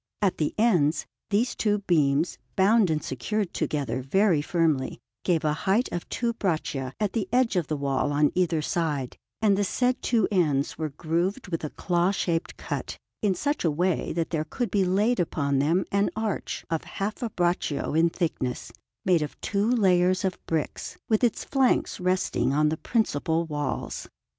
At the ends, these two beams, bound and secured together very firmly, gave a height of two braccia at the edge of the wall on each side; and the said two ends were grooved with a claw shaped cut, in such a way that there could be laid upon them an arch of half a braccio in thickness, made of two layers of bricks, with its flanks resting on the principal walls.